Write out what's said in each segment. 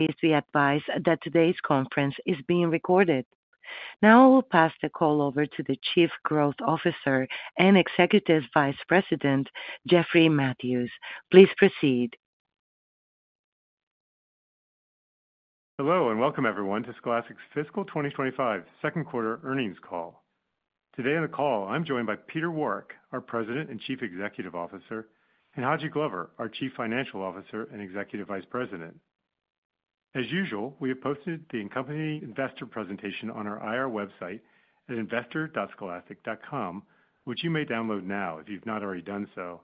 Please be advised that today's conference is being recorded. Now I will pass the call over to the Chief Growth Officer and Executive Vice President, Jeffrey Mathews. Please proceed. Hello and welcome, everyone, to Scholastic's Fiscal 2025 Second Quarter Earnings Call. Today on the call, I'm joined by Peter Warwick, our President and Chief Executive Officer, and Haji Glover, our Chief Financial Officer and Executive Vice President. As usual, we have posted the earnings investor presentation on our IR website at investor.scholastic.com, which you may download now if you've not already done so.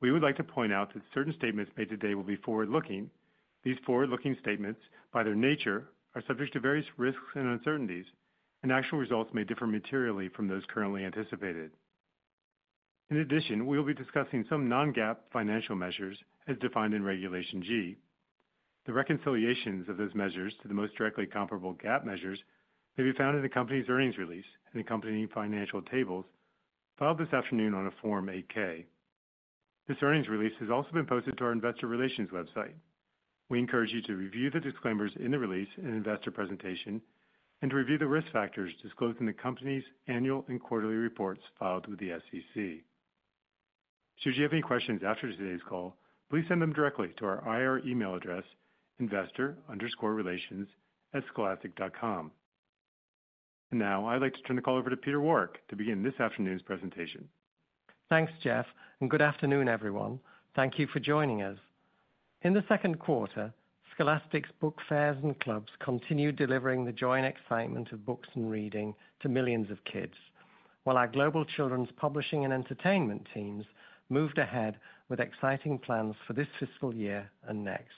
We would like to point out that certain statements made today will be forward-looking. These forward-looking statements, by their nature, are subject to various risks and uncertainties, and actual results may differ materially from those currently anticipated. In addition, we will be discussing some non-GAAP financial measures, as defined in Regulation G. The reconciliations of those measures to the most directly comparable GAAP measures may be found in the company's earnings release and accompanying financial tables filed this afternoon on a Form 8-K. This earnings release has also been posted to our Investor Relations website. We encourage you to review the disclaimers in the release and investor presentation, and to review the risk factors disclosed in the company's annual and quarterly reports filed with the SEC. Should you have any questions after today's call, please send them directly to our IR email address, investor_relations@scholastic.com. And now I'd like to turn the call over to Peter Warwick to begin this afternoon's presentation. Thanks, Jeff, and good afternoon, everyone. Thank you for joining us. In the second quarter, Scholastic's book fairs and clubs continued delivering the joy and excitement of books and reading to millions of kids, while our global children's publishing and entertainment teams moved ahead with exciting plans for this fiscal year and next.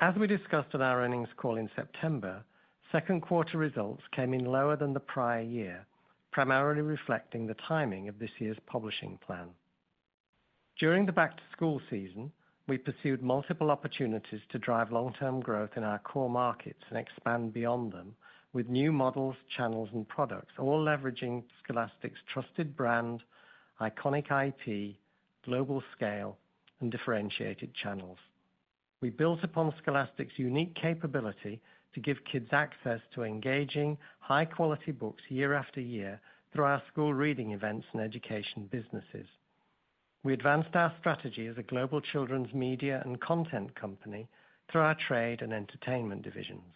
As we discussed in our earnings call in September, second quarter results came in lower than the prior year, primarily reflecting the timing of this year's publishing plan. During the back-to-school season, we pursued multiple opportunities to drive long-term growth in our core markets and expand beyond them with new models, channels, and products, all leveraging Scholastic's trusted brand, iconic IP, global scale, and differentiated channels. We built upon Scholastic's unique capability to give kids access to engaging, high-quality books year after year through our school reading events and education businesses. We advanced our strategy as a global children's media and content company through our trade and entertainment divisions,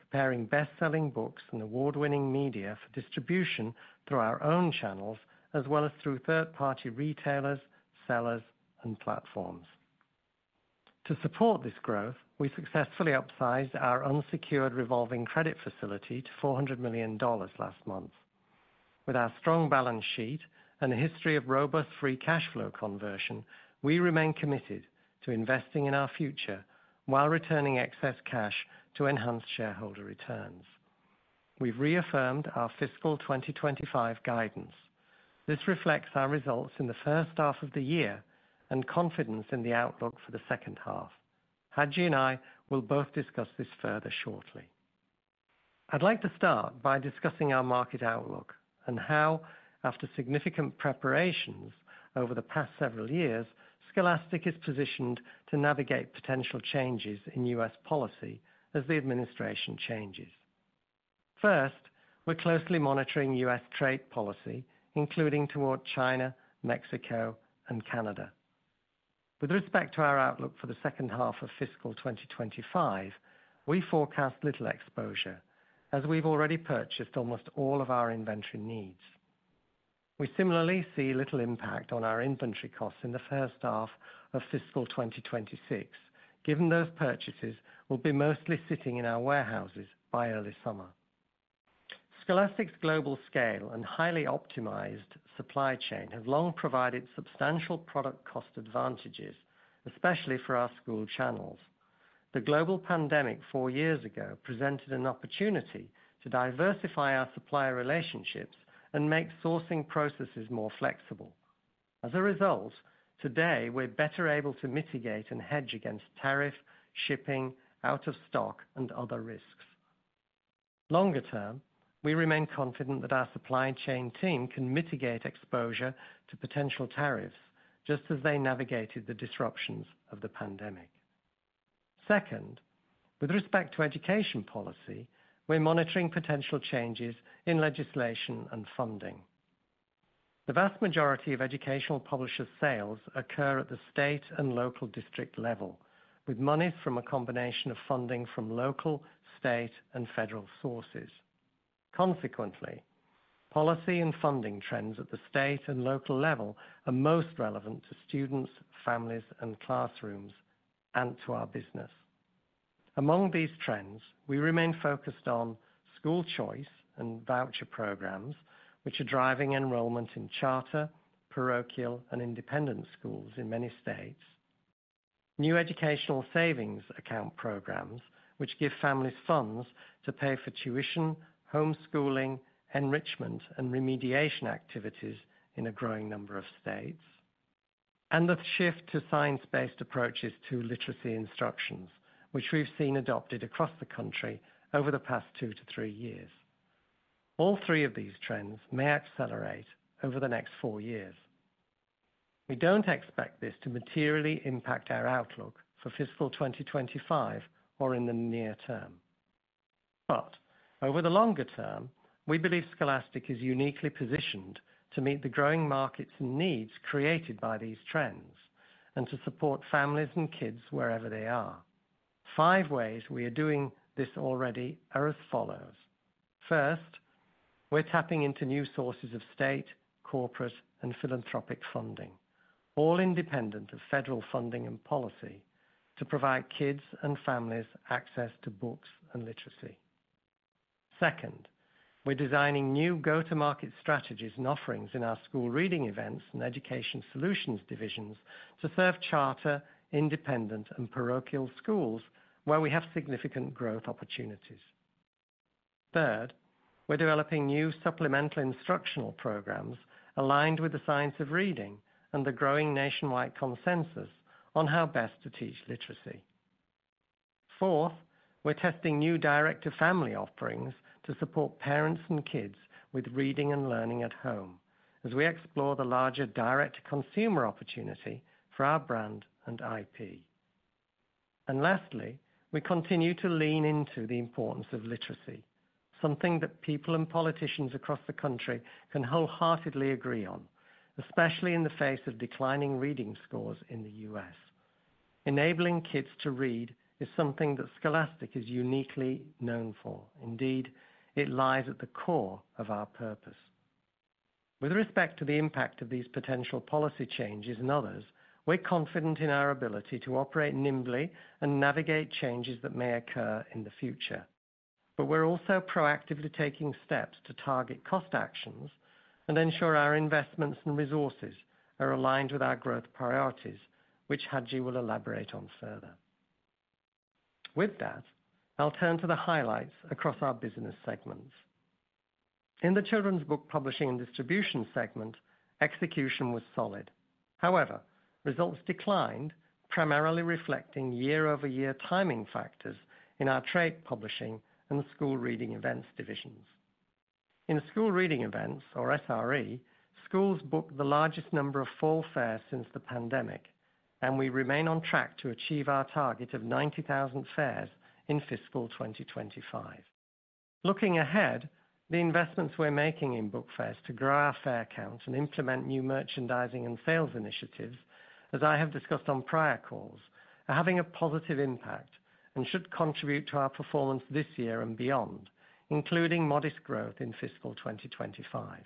preparing best-selling books and award-winning media for distribution through our own channels as well as through third-party retailers, sellers, and platforms. To support this growth, we successfully upsized our unsecured revolving credit facility to $400 million last month. With our strong balance sheet and a history of robust free cash flow conversion, we remain committed to investing in our future while returning excess cash to enhance shareholder returns. We've reaffirmed our Fiscal 2025 guidance. This reflects our results in the first half of the year and confidence in the outlook for the second half. Haji and I will both discuss this further shortly. I'd like to start by discussing our market outlook and how, after significant preparations over the past several years, Scholastic is positioned to navigate potential changes in U.S. policy as the administration changes. First, we're closely monitoring U.S. trade policy, including toward China, Mexico, and Canada. With respect to our outlook for the second half of Fiscal 2025, we forecast little exposure, as we've already purchased almost all of our inventory needs. We similarly see little impact on our inventory costs in the first half of Fiscal 2026, given those purchases will be mostly sitting in our warehouses by early summer. Scholastic's global scale and highly optimized supply chain have long provided substantial product cost advantages, especially for our school channels. The global pandemic 4 years ago presented an opportunity to diversify our supplier relationships and make sourcing processes more flexible. As a result, today we're better able to mitigate and hedge against tariff, shipping, out-of-stock, and other risks. Longer term, we remain confident that our supply chain team can mitigate exposure to potential tariffs, just as they navigated the disruptions of the pandemic. Second, with respect to education policy, we're monitoring potential changes in legislation and funding. The vast majority of educational publisher sales occur at the state and local district level, with monies from a combination of funding from local, state, and federal sources. Consequently, policy and funding trends at the state and local level are most relevant to students, families, and classrooms, and to our business. Among these trends, we remain focused on school choice and voucher programs, which are driving enrollment in charter, parochial, and independent schools in many states. New educational savings account programs, which give families funds to pay for tuition, homeschooling, enrichment, and remediation activities in a growing number of states. And the shift to science-based approaches to literacy instructions, which we've seen adopted across the country over the past 2 to 3 years. All 3 of these trends may accelerate over the next 4 years. We don't expect this to materially impact our outlook for Fiscal 2025 or in the near term. But over the longer term, we believe Scholastic is uniquely positioned to meet the growing markets and needs created by these trends and to support families and kids wherever they are. 5 ways we are doing this already are as follows. First, we're tapping into new sources of state, corporate, and philanthropic funding, all independent of federal funding and policy, to provide kids and families access to books and literacy. Second, we're designing new go-to-market strategies and offerings in our school reading events and education solutions divisions to serve charter, independent, and parochial schools where we have significant growth opportunities. Third, we're developing new supplemental instructional programs aligned with the Science of Reading and the growing nationwide consensus on how best to teach literacy. Fourth, we're testing new direct-to-family offerings to support parents and kids with reading and learning at home, as we explore the larger direct-to-consumer opportunity for our brand and IP. And lastly, we continue to lean into the importance of literacy, something that people and politicians across the country can wholeheartedly agree on, especially in the face of declining reading scores in the U.S. Enabling kids to read is something that Scholastic is uniquely known for. Indeed, it lies at the core of our purpose. With respect to the impact of these potential policy changes and others, we're confident in our ability to operate nimbly and navigate changes that may occur in the future. But we're also proactively taking steps to target cost actions and ensure our investments and resources are aligned with our growth priorities, which Haji will elaborate on further. With that, I'll turn to the highlights across our business segments. In the children's book publishing and distribution segment, execution was solid. However, results declined, primarily reflecting year-over-year timing factors in our trade publishing and school reading events divisions. In school reading events, or SRE, schools booked the largest number of fall fairs since the pandemic, and we remain on track to achieve our target of 90,000 fairs in Fiscal 2025. Looking ahead, the investments we're making in book fairs to grow our fair count and implement new merchandising and sales initiatives, as I have discussed on prior calls, are having a positive impact and should contribute to our performance this year and beyond, including modest growth in Fiscal 2025.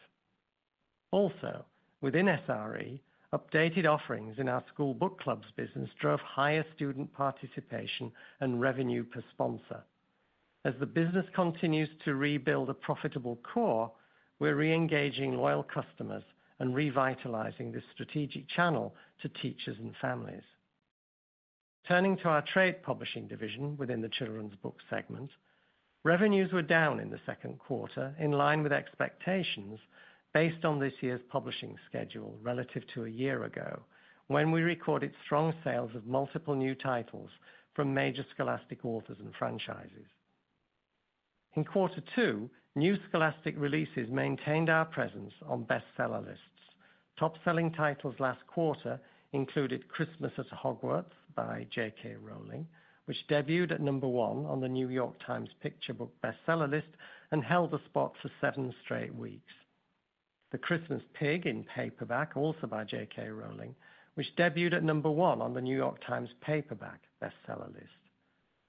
Also, within SRE, updated offerings in our school book clubs business drove higher student participation and revenue per sponsor. As the business continues to rebuild a profitable core, we're reengaging loyal customers and revitalizing this strategic channel to teachers and families. Turning to our trade publishing division within the children's book segment, revenues were down in the second quarter in line with expectations based on this year's publishing schedule relative to a year ago, when we recorded strong sales of multiple new titles from major Scholastic authors and franchises. In Quarter 2, new Scholastic releases maintained our presence on bestseller lists. Top-selling titles last quarter included Christmas at Hogwarts by J.K. Rowling, which debuted at number 1 on the New York Times Picture Book Bestseller List and held the spot for 7 straight weeks. The Christmas Pig in paperback, also by J.K. Rowling, which debuted at number 1 on the New York Times Paperback Bestseller List,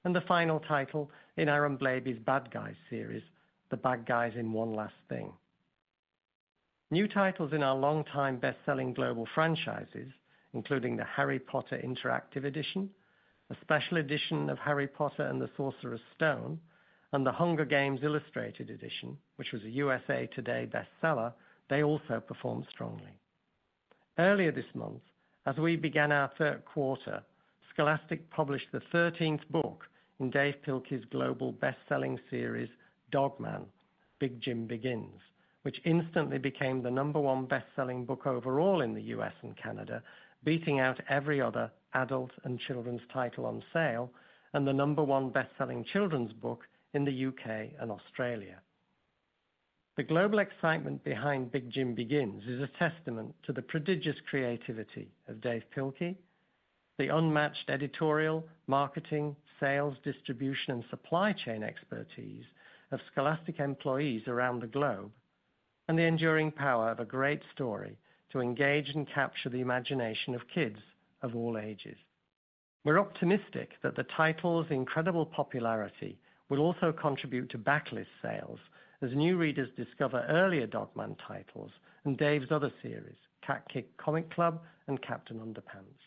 and the final title in Aaron Blabey's Bad Guys series, The Bad Guys in One Last Thing. New titles in our longtime bestselling global franchises, including the Harry Potter Interactive Edition, a special edition of Harry Potter and the Sorcerer's Stone, and the Hunger Games Illustrated Edition, which was a USA Today bestseller, they also performed strongly. Earlier this month, as we began our third quarter, Scholastic published the 13th book in Dav Pilkey's global bestselling series, Dog Man: Big Jim Begins, which instantly became the number 1 bestselling book overall in the U.S. and Canada, beating out every other adult and children's title on sale and the number 1 bestselling children's book in the U.K. and Australia. The global excitement behind Big Jim Begins is a testament to the prodigious creativity of Dav Pilkey, the unmatched editorial, marketing, sales, distribution, and supply chain expertise of Scholastic employees around the globe, and the enduring power of a great story to engage and capture the imagination of kids of all ages. We're optimistic that the title's incredible popularity will also contribute to backlist sales as new readers discover earlier Dog Man titles and Dav's other series, Cat Kid Comic Club and Captain Underpants.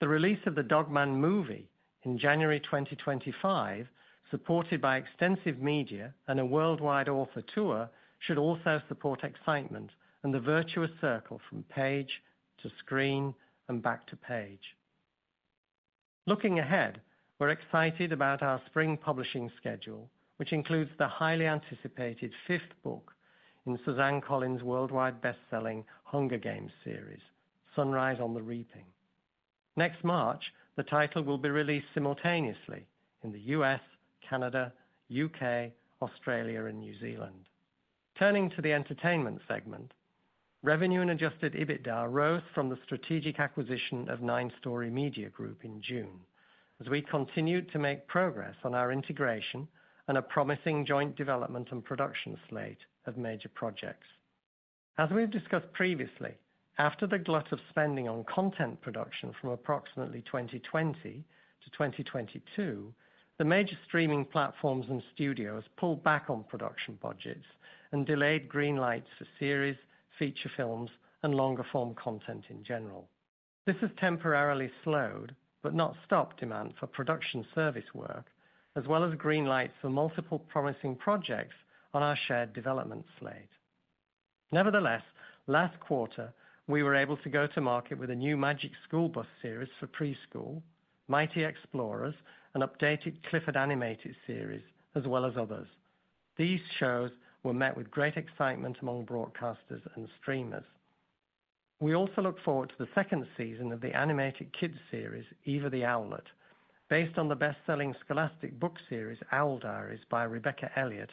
The release of the Dog Man movie in January 2025, supported by extensive media and a worldwide author tour, should also support excitement and the virtuous circle from page to screen and back to page. Looking ahead, we're excited about our spring publishing schedule, which includes the highly anticipated fifth book in Suzanne Collins' worldwide bestselling Hunger Games series, Sunrise on the Reaping. Next March, the title will be released simultaneously in the U.S., Canada, U.K., Australia, and New Zealand. Turning to the Entertainment Segment, revenue and Adjusted EBITDA rose from the strategic acquisition of Nine Story Media Group in June, as we continued to make progress on our integration and a promising joint development and production slate of major projects. As we've discussed previously, after the glut of spending on content production from approximately 2020 to 2022, the major streaming platforms and studios pulled back on production budgets and delayed green lights for series, feature films, and longer-form content in general. This has temporarily slowed but not stopped demand for production service work, as well as green lights for multiple promising projects on our shared development slate. Nevertheless, last quarter, we were able to go to market with a new Magic School Bus series for preschool, Mighty Explorers, an updated Clifford Animated series, as well as others. These shows were met with great excitement among broadcasters and streamers. We also look forward to the second season of the animated kids series, Eva the Owlet, based on the bestselling Scholastic book series, Owl Diaries by Rebecca Elliott,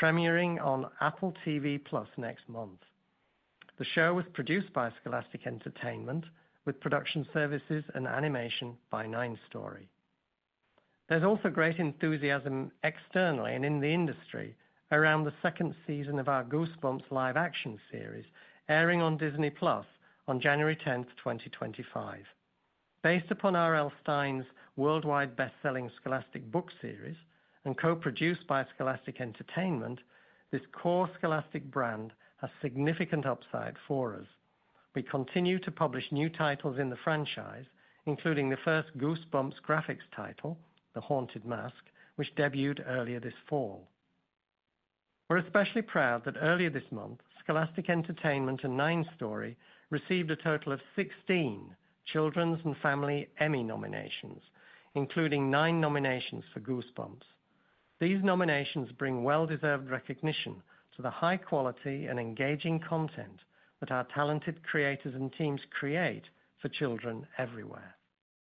premiering on Apple TV+ next month. The show was produced by Scholastic Entertainment, with production services and animation by Nine Story. There's also great enthusiasm externally and in the industry around the second season of our Goosebumps live-action series, airing on Disney+ on January 10, 2025. Based upon R.L. Stine's worldwide bestselling Scholastic book series and co-produced by Scholastic Entertainment, this core Scholastic brand has significant upside for us. We continue to publish new titles in the franchise, including the first Goosebumps Graphix title, The Haunted Mask, which debuted earlier this fall. We're especially proud that earlier this month, Scholastic Entertainment and Nine Story received a total of 16 Children's and Family Emmy nominations, including 9 nominations for Goosebumps. These nominations bring well-deserved recognition to the high-quality and engaging content that our talented creators and teams create for children everywhere.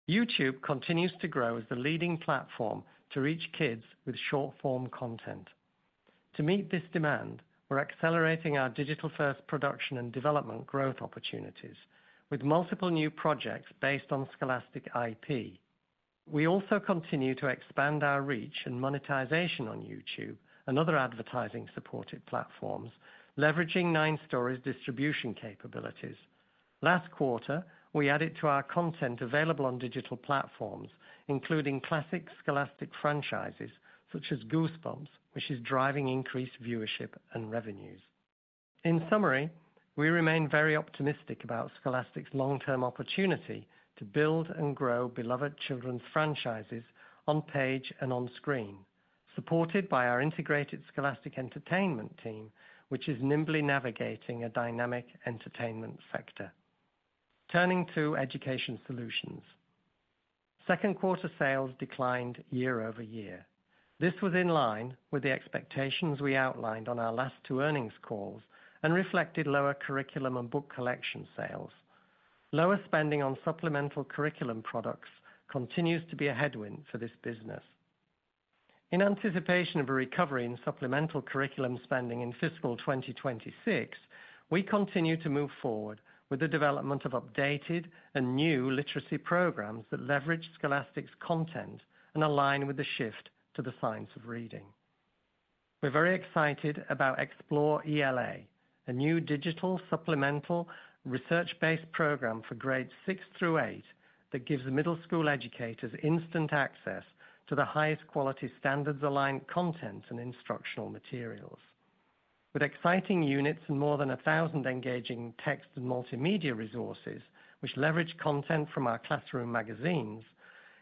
YouTube continues to grow as the leading platform to reach kids with short-form content. To meet this demand, we're accelerating our digital-first production and development growth opportunities with multiple new projects based on Scholastic IP. We also continue to expand our reach and monetization on YouTube and other advertising-supported platforms, leveraging Nine Story's distribution capabilities. Last quarter, we added to our content available on digital platforms, including classic Scholastic franchises such as Goosebumps, which is driving increased viewership and revenues. In summary, we remain very optimistic about Scholastic's long-term opportunity to build and grow beloved children's franchises on page and on screen, supported by our integrated Scholastic Entertainment team, which is nimbly navigating a dynamic entertainment sector. Turning to education solutions, second quarter sales declined year-over-year. This was in line with the expectations we outlined on our last 2 earnings calls and reflected lower curriculum and book collection sales. Lower spending on supplemental curriculum products continues to be a headwind for this business. In anticipation of a recovery in supplemental curriculum spending in Fiscal 2026, we continue to move forward with the development of updated and new literacy programs that leverage Scholastic's content and align with the shift to the Science of Reading. We're very excited about Explore ELA, a new digital supplemental research-based program for grades 6 through 8 that gives middle school educators instant access to the highest quality standards-aligned content and instructional materials. With exciting units and more than 1,000 engaging text and multimedia resources, which leverage content from our classroom magazines,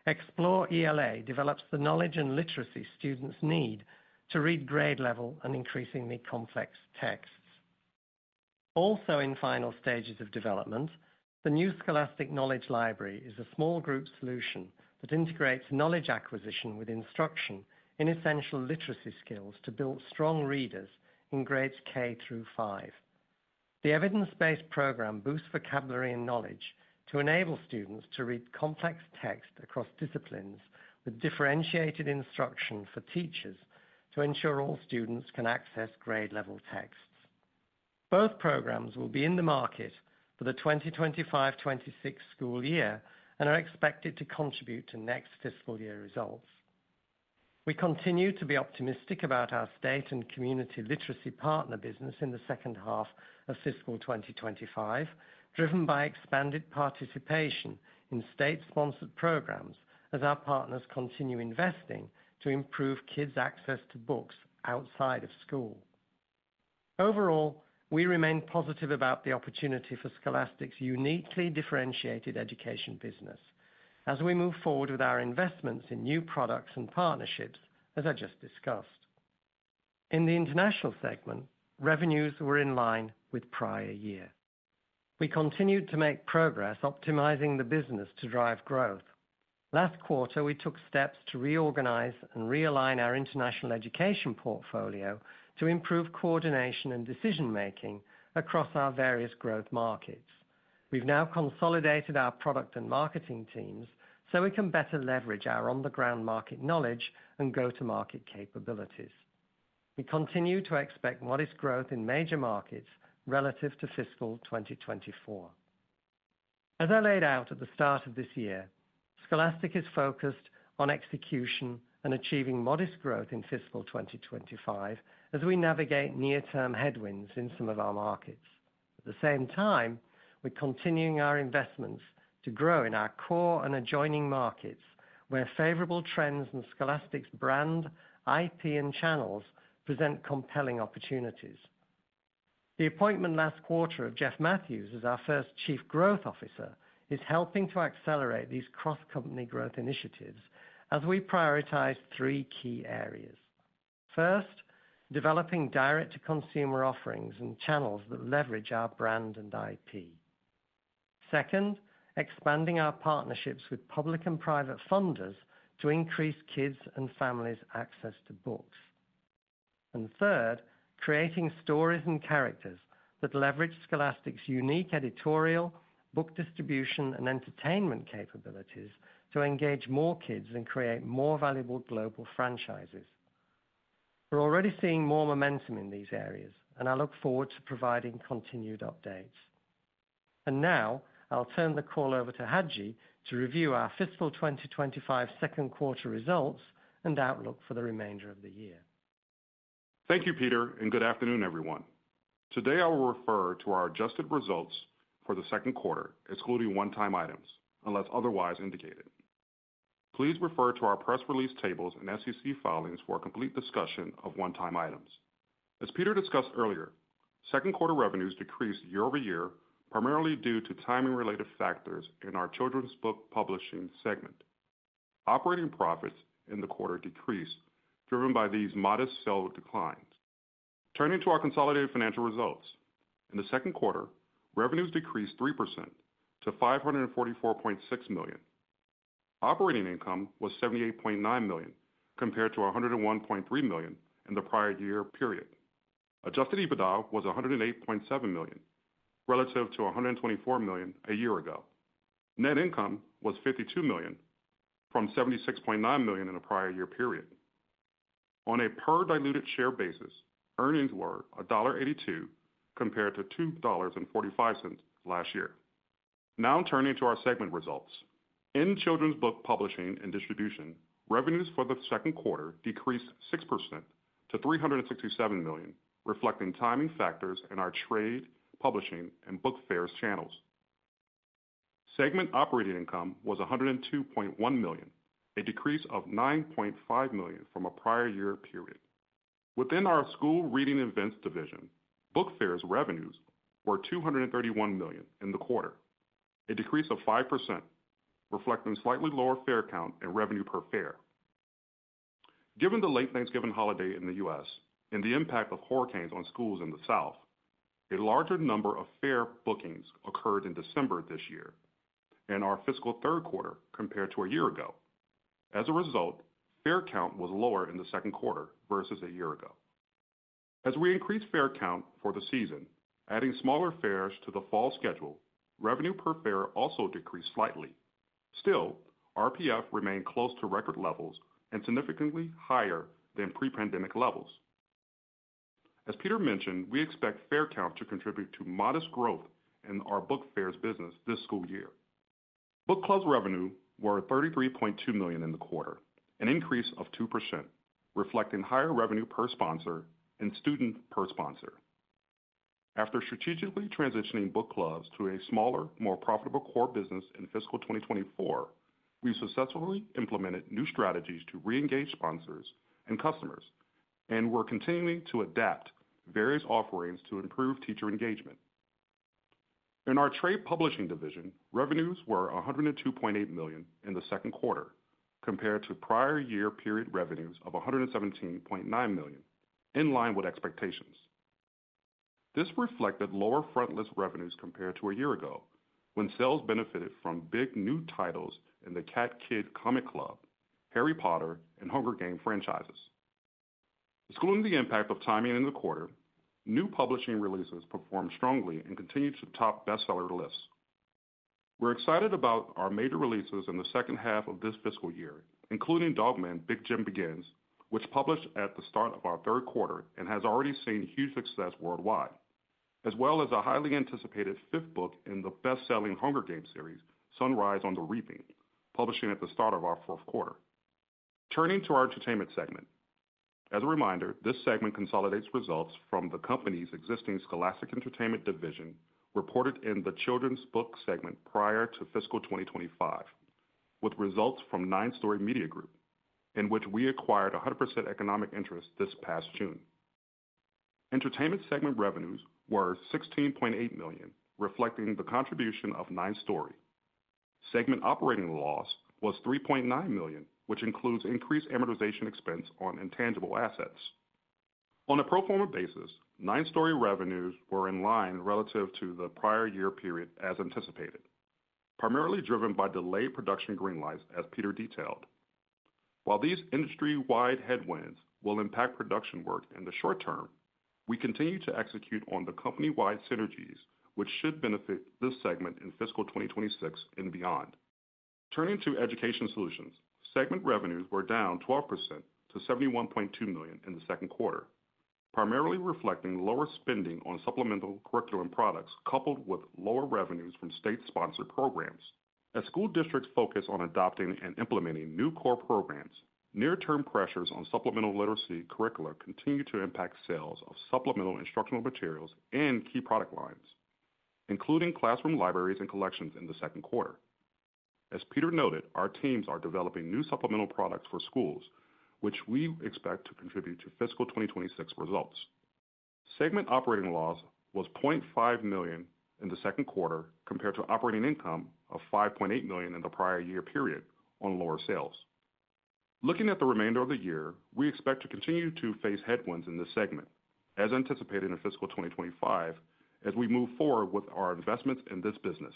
Explore ELA develops the knowledge and literacy students need to read grade-level and increasingly complex texts. Also in final stages of development, the new Scholastic Knowledge Library is a small group solution that integrates knowledge acquisition with instruction in essential literacy skills to build strong readers in grades K through 5. The evidence-based program boosts vocabulary and knowledge to enable students to read complex text across disciplines with differentiated instruction for teachers to ensure all students can access grade-level texts. Both programs will be in the market for the 2025-26 school year and are expected to contribute to next fiscal year results. We continue to be optimistic about our state and community literacy partner business in the second half of Fiscal 2025, driven by expanded participation in state-sponsored programs as our partners continue investing to improve kids' access to books outside of school. Overall, we remain positive about the opportunity for Scholastic's uniquely differentiated education business as we move forward with our investments in new products and partnerships, as I just discussed. In the international segment, revenues were in line with prior year. We continued to make progress optimizing the business to drive growth. Last quarter, we took steps to reorganize and realign our international education portfolio to improve coordination and decision-making across our various growth markets. We've now consolidated our product and marketing teams so we can better leverage our on-the-ground market knowledge and go-to-market capabilities. We continue to expect modest growth in major markets relative to Fiscal 2024. As I laid out at the start of this year, Scholastic is focused on execution and achieving modest growth in Fiscal 2025 as we navigate near-term headwinds in some of our markets. At the same time, we're continuing our investments to grow in our core and adjoining markets where favorable trends in Scholastic's brand, IP, and channels present compelling opportunities. The appointment last quarter of Jeffrey Mathews as our first Chief Growth Officer is helping to accelerate these cross-company growth initiatives as we prioritize 3 key areas. First, developing direct-to-consumer offerings and channels that leverage our brand and IP. Second, expanding our partnerships with public and private funders to increase kids' and families' access to books. And third, creating stories and characters that leverage Scholastic's unique editorial, book distribution, and entertainment capabilities to engage more kids and create more valuable global franchises. We're already seeing more momentum in these areas, and I look forward to providing continued updates. And now, I'll turn the call over to Haji to review our Fiscal 2025 second quarter results and outlook for the remainder of the year. Thank you, Peter, and good afternoon, everyone. Today, I will refer to our adjusted results for the second quarter, excluding one-time items, unless otherwise indicated. Please refer to our press release tables and SEC filings for a complete discussion of one-time items. As Peter discussed earlier, second quarter revenues decreased year-over-year, primarily due to timing-related factors in our children's book publishing segment. Operating profits in the quarter decreased, driven by these modest sales declines. Turning to our consolidated financial results, in the second quarter, revenues decreased 3% to $544.6 million. Operating income was $78.9 million compared to $101.3 million in the prior year period. Adjusted EBITDA was $108.7 million, relative to $124 million a year ago. Net income was $52 million from $76.9 million in the prior year period. On a per diluted share basis, earnings were $1.82 compared to $2.45 last year. Now, turning to our segment results. In Children's Book Publishing and Distribution, revenues for the second quarter decreased 6% to $367 million, reflecting timing factors in our trade publishing and book fairs channels. Segment operating income was $102.1 million, a decrease of $9.5 million from a prior year period. Within our School Reading Events division, book fairs revenues were $231 million in the quarter, a decrease of 5%, reflecting a slightly lower fair count and revenue per fair. Given the late Thanksgiving holiday in the U.S. and the impact of hurricanes on schools in the South, a larger number of fair bookings occurred in December of this year and our fiscal third quarter compared to a year ago. As a result, fair count was lower in the second quarter versus a year ago. As we increased fair count for the season, adding smaller fairs to the fall schedule, revenue per fair also decreased slightly. Still, RPF remained close to record levels and significantly higher than pre-pandemic levels. As Peter mentioned, we expect fair count to contribute to modest growth in our book fairs business this school year. Book Clubs revenue was $33.2 million in the quarter, an increase of 2%, reflecting higher revenue per sponsor and student per sponsor. After strategically transitioning book clubs to a smaller, more profitable core business in Fiscal 2024, we successfully implemented new strategies to re-engage sponsors and customers and were continuing to adapt various offerings to improve teacher engagement. In our trade publishing division, revenues were $102.8 million in the second quarter compared to prior year period revenues of $117.9 million, in line with expectations. This reflected lower front-list revenues compared to a year ago, when sales benefited from big new titles in the Cat Kid Comic Club, Harry Potter, and Hunger Games franchises. Excluding the impact of timing in the quarter, new publishing releases performed strongly and continued to top bestseller lists. We're excited about our major releases in the second half of this fiscal year, including Dog Man: Big Jim Begins, which published at the start of our third quarter and has already seen huge success worldwide, as well as a highly anticipated fifth book in the bestselling Hunger Games series, Sunrise on the Reaping, publishing at the start of our fourth quarter. Turning to our entertainment segment. As a reminder, this segment consolidates results from the company's existing Scholastic Entertainment division reported in the children's book segment prior to Fiscal 2025, with results from Nine Story Media Group, in which we acquired 100% economic interest this past June. Entertainment segment revenues were $16.8 million, reflecting the contribution of Nine Story. Segment operating loss was $3.9 million, which includes increased amortization expense on intangible assets. On a pro forma basis, Nine Story revenues were in line relative to the prior year period as anticipated, primarily driven by delayed production greenlights, as Peter detailed. While these industry-wide headwinds will impact production work in the short term, we continue to execute on the company-wide synergies, which should benefit this segment in Fiscal 2026 and beyond. Turning to education solutions, segment revenues were down 12% to $71.2 million in the second quarter, primarily reflecting lower spending on supplemental curriculum products coupled with lower revenues from state-sponsored programs. As school districts focus on adopting and implementing new core programs, near-term pressures on supplemental literacy curricula continue to impact sales of supplemental instructional materials and key product lines, including classroom libraries and collections in the second quarter. As Peter noted, our teams are developing new supplemental products for schools, which we expect to contribute to Fiscal 2026 results. Segment operating loss was $0.5 million in the second quarter compared to operating income of $5.8 million in the prior year period on lower sales. Looking at the remainder of the year, we expect to continue to face headwinds in this segment, as anticipated in Fiscal 2025, as we move forward with our investments in this business.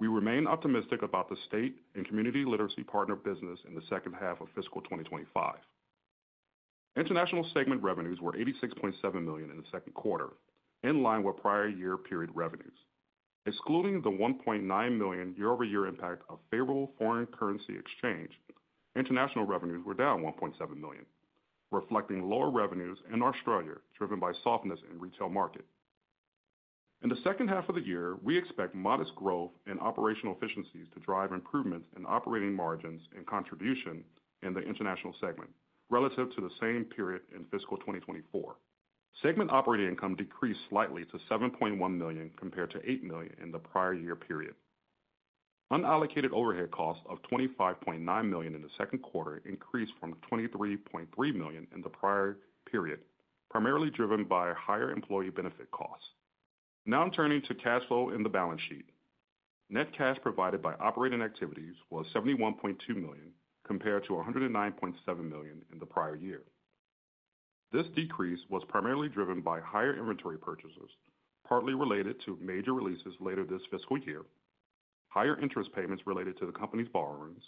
We remain optimistic about the state and community literacy partner business in the second half of Fiscal 2025. International Segment revenues were $86.7 million in the second quarter, in line with prior year period revenues. Excluding the $1.9 million year-over-year impact of favorable foreign currency exchange, international revenues were down $1.7 million, reflecting lower revenues in Australia, driven by softness in retail market. In the second half of the year, we expect modest growth in operational efficiencies to drive improvements in operating margins and contribution in the international segment relative to the same period in Fiscal 2024. Segment operating income decreased slightly to $7.1 million compared to $8 million in the prior year period. Unallocated overhead costs of $25.9 million in the second quarter increased from $23.3 million in the prior period, primarily driven by higher employee benefit costs. Now, I'm turning to cash flow in the balance sheet. Net cash provided by operating activities was $71.2 million compared to $109.7 million in the prior year. This decrease was primarily driven by higher inventory purchases, partly related to major releases later this fiscal year, higher interest payments related to the company's borrowings,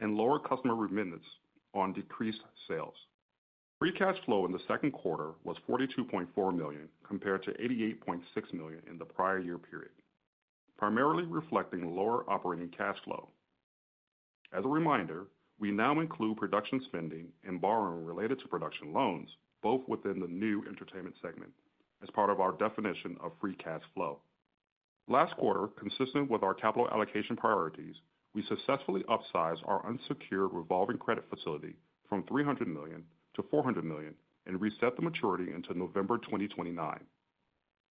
and lower customer remittance on decreased sales. Free cash flow in the second quarter was $42.4 million compared to $88.6 million in the prior year period, primarily reflecting lower operating cash flow. As a reminder, we now include production spending and borrowing related to production loans, both within the new entertainment segment, as part of our definition of free cash flow. Last quarter, consistent with our capital allocation priorities, we successfully upsized our unsecured revolving credit facility from $300 to 400 million and reset the maturity into November 2029.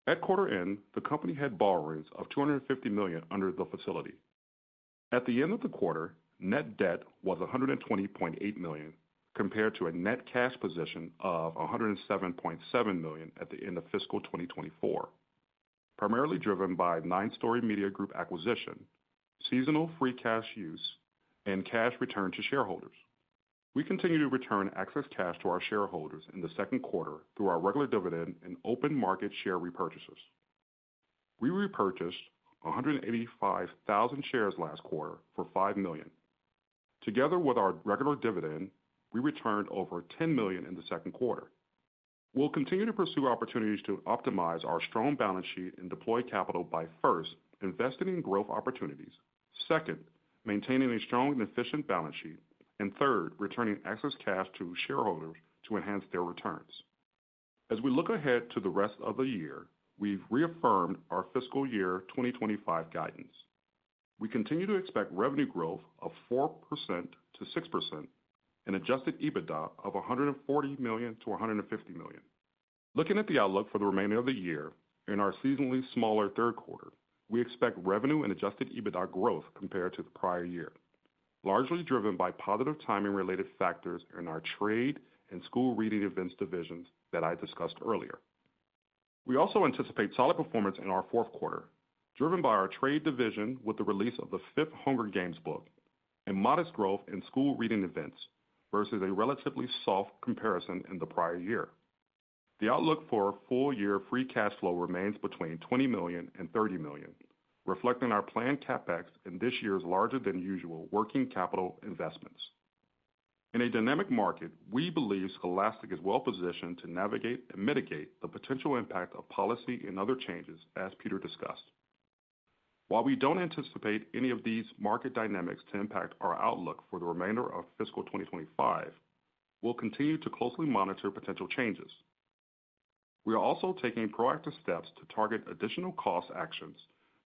At quarter end, the company had borrowings of $250 million under the facility. At the end of the quarter, net debt was $120.8 million compared to a net cash position of $107.7 million at the end of Fiscal 2024, primarily driven by Nine Story Media Group acquisition, seasonal free cash use, and cash return to shareholders. We continue to return excess cash to our shareholders in the second quarter through our regular dividend and open market share repurchases. We repurchased 185,000 shares last quarter for $5 million. Together with our regular dividend, we returned over $10 million in the second quarter. We'll continue to pursue opportunities to optimize our strong balance sheet and deploy capital by, first, investing in growth opportunities, second, maintaining a strong and efficient balance sheet, and third, returning excess cash to shareholders to enhance their returns. As we look ahead to the rest of the year, we've reaffirmed our Fiscal Year 2025 guidance. We continue to expect revenue growth of 4% to 6% and Adjusted EBITDA of $140 to 150 million. Looking at the outlook for the remainder of the year in our seasonally smaller third quarter, we expect revenue and Adjusted EBITDA growth compared to the prior year, largely driven by positive timing-related factors in our trade and School Reading Events divisions that I discussed earlier. We also anticipate solid performance in our fourth quarter, driven by our trade division with the release of the fifth Hunger Games book and modest growth in School Reading Events versus a relatively soft comparison in the prior year. The outlook for full-year Free Cash Flow remains between $20 and 30 million, reflecting our planned CapEx in this year's larger-than-usual working capital investments. In a dynamic market, we believe Scholastic is well-positioned to navigate and mitigate the potential impact of policy and other changes, as Peter discussed. While we don't anticipate any of these market dynamics to impact our outlook for the remainder of Fiscal 2025, we'll continue to closely monitor potential changes. We are also taking proactive steps to target additional cost actions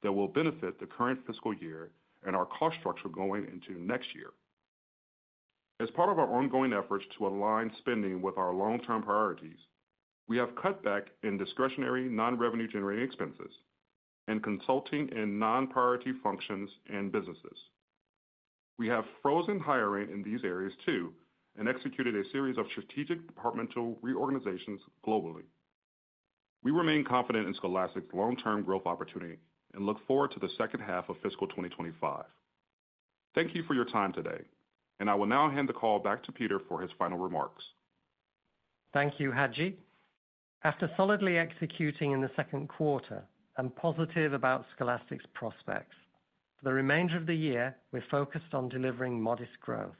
that will benefit the current fiscal year and our cost structure going into next year. As part of our ongoing efforts to align spending with our long-term priorities, we have cut back in discretionary non-revenue-generating expenses and consulting in non-priority functions and businesses. We have frozen hiring in these areas too and executed a series of strategic departmental reorganizations globally. We remain confident in Scholastic's long-term growth opportunity and look forward to the second half of Fiscal 2025. Thank you for your time today, and I will now hand the call back to Peter for his final remarks. Thank you, Haji. After solidly executing in the second quarter and positive about Scholastic's prospects, for the remainder of the year, we're focused on delivering modest growth.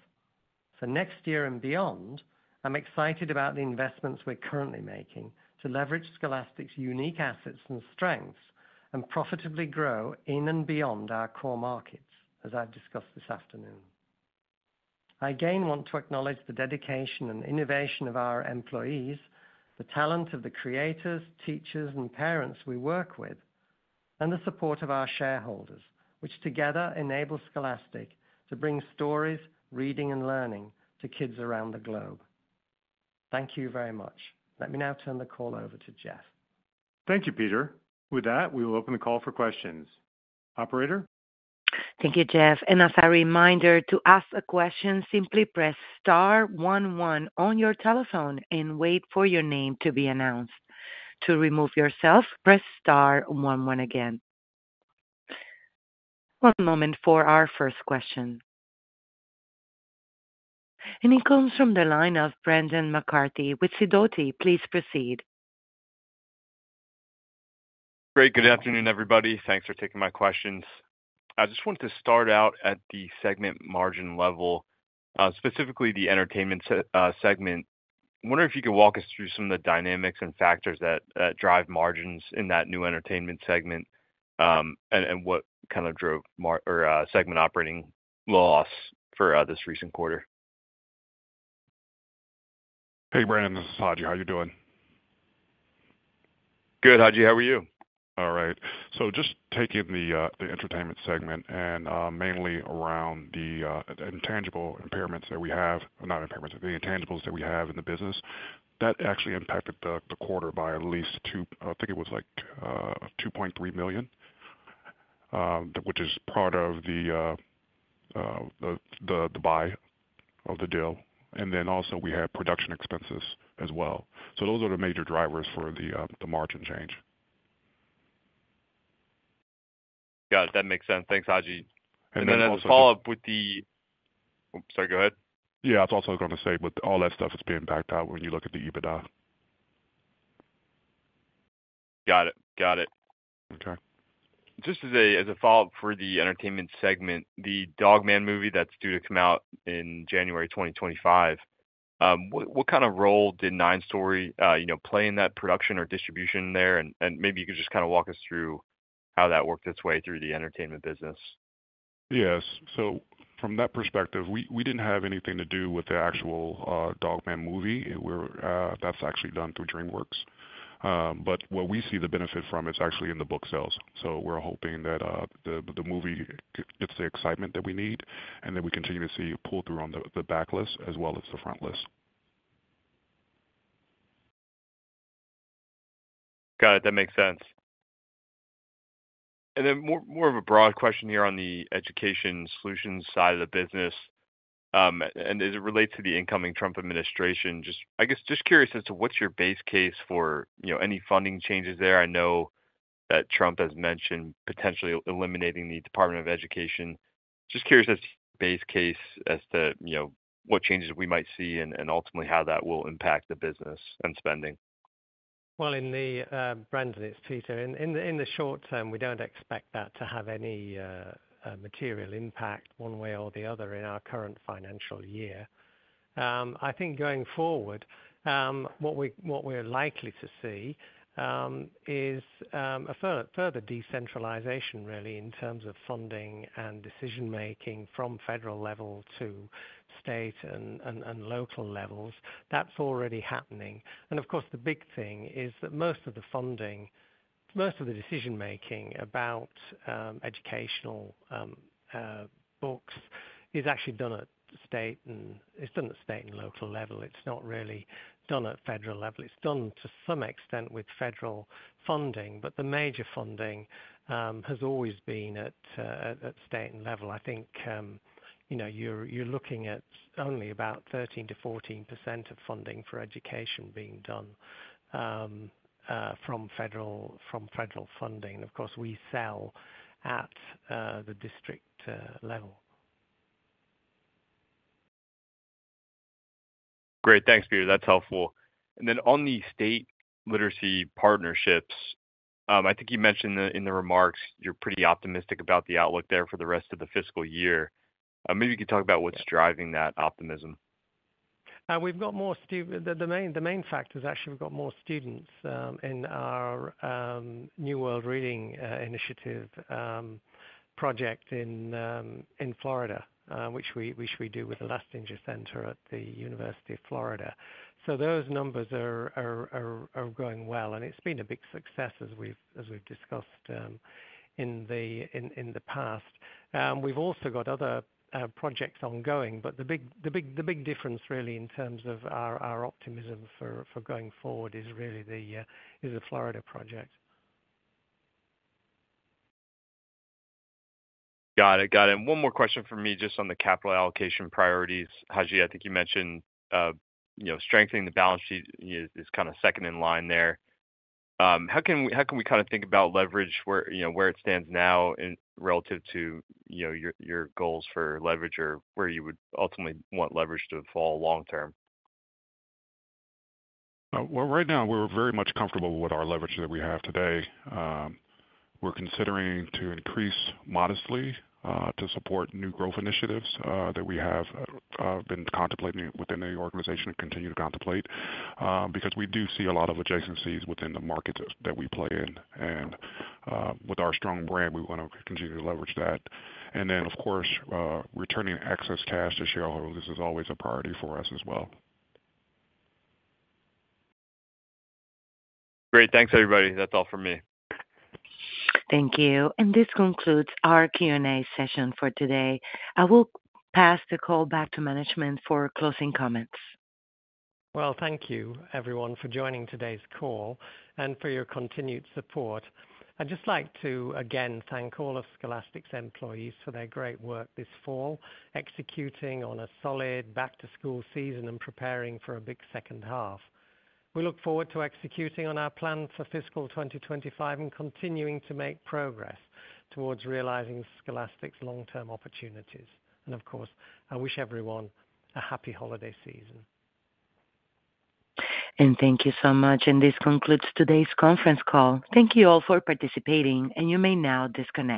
For next year and beyond, I'm excited about the investments we're currently making to leverage Scholastic's unique assets and strengths and profitably grow in and beyond our core markets, as I've discussed this afternoon. I again want to acknowledge the dedication and innovation of our employees, the talent of the creators, teachers, and parents we work with, and the support of our shareholders, which together enable Scholastic to bring stories, reading, and learning to kids around the globe. Thank you very much. Let me now turn the call over to Jeff. Thank you, Peter. With that, we will open the call for questions. Operator? Thank you, Jeff. As a reminder, to ask a question, simply press Star 1 1 on your telephone and wait for your name to be announced. To remove yourself, press Star 1 1 again. One moment for our first question. It comes from the line of Brendan McCarthy with Sidoti. Please proceed. Great. Good afternoon, everybody. Thanks for taking my questions. I just wanted to start out at the segment margin level, specifically the entertainment segment. I wonder if you could walk us through some of the dynamics and factors that drive margins in that new entertainment segment and what kind of drove the segment operating loss for this recent quarter. Hey, Brendan. This is Haji. How are you doing? Good, Haji. How are you? All right. So just taking the entertainment segment and mainly around the intangible impairments that we have, not impairments, the intangibles that we have in the business, that actually impacted the quarter by at least 2, I think it was like $2.3 million, which is part of the buy of the deal. And then also we have production expenses as well. So those are the major drivers for the margin change. Got it. That makes sense. Thanks, Haji. And then as a follow-up with the, sorry, go ahead. Yeah, I was also going to say, with all that stuff that's being backed out when you look at the EBITDA. Got it. Got it. Okay. Just as a follow-up for the entertainment segment, the Dog Man movie that's due to come out in January 2025, what kind of role did Nine Story play in that production or distribution there? And maybe you could just kind of walk us through how that worked its way through the entertainment business. Yes. So from that perspective, we didn't have anything to do with the actual Dog Man movie. That's actually done through DreamWorks. But what we see the benefit from is actually in the book sales. So we're hoping that the movie gets the excitement that we need and that we continue to see pull-through on the backlist as well as the frontlist. Got it. That makes sense. And then more of a broad question here on the education solutions side of the business. And as it relates to the incoming Trump administration, I guess just curious as to what's your base case for any funding changes there. I know that Trump has mentioned potentially eliminating the Department of Education. Just curious as to your base case as to what changes we might see and ultimately how that will impact the business and spending. Well, in the short term, we don't expect that to have any material impact one way or the other in our current financial year. I think going forward, what we're likely to see is a further decentralization, really, in terms of funding and decision-making from federal level to state and local levels. That's already happening. And of course, the big thing is that most of the funding, most of the decision-making about educational books is actually done at state and it's done at state and local level. It's not really done at federal level. It's done to some extent with federal funding, but the major funding has always been at state and level. I think you're looking at only about 13% to 14% of funding for education being done from federal funding. And of course, we sell at the district level. Great. Thanks, Peter. That's helpful. And then on the state literacy partnerships, I think you mentioned in the remarks you're pretty optimistic about the outlook there for the rest of the fiscal year. Maybe you could talk about what's driving that optimism. We've got more. The main factor is actually we've got more students in our New Worlds Reading Initiative project in Florida, which we do with the Lastinger Center at the University of Florida. So those numbers are going well. And it's been a big success, as we've discussed in the past. We've also got other projects ongoing. But the big difference, really, in terms of our optimism for going forward is really the Florida project. Got it. Got it. And one more question from me just on the capital allocation priorities. Haji, I think you mentioned strengthening the balance sheet is kind of second in line there. How can we kind of think about leverage where it stands now relative to your goals for leverage or where you would ultimately want leverage to fall long-term? Well, right now, we're very much comfortable with our leverage that we have today. We're considering to increase modestly to support new growth initiatives that we have been contemplating within the organization and continue to contemplate because we do see a lot of adjacencies within the markets that we play in. And with our strong brand, we want to continue to leverage that. And then, of course, returning excess cash to shareholders is always a priority for us as well. Great. Thanks, everybody. That's all from me. Thank you. This concludes our Q&A session for today. I will pass the call back to management for closing comments. Thank you, everyone, for joining today's call and for your continued support. I'd just like to, again, thank all of Scholastic's employees for their great work this fall, executing on a solid back-to-school season and preparing for a big second half. We look forward to executing on our plan for fiscal 2025 and continuing to make progress towards realizing Scholastic's long-term opportunities. Of course, I wish everyone a happy holiday season. Thank you so much. This concludes today's conference call. Thank you all for participating. You may now disconnect.